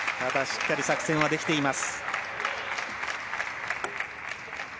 しっかり作戦はできています。